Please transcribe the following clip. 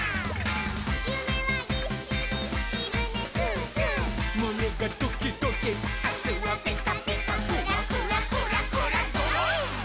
「ゆめはぎっしりひるねすーすー」「むねがドキドキ」「あすはピカピカ」「クラクラクラクラドロン！」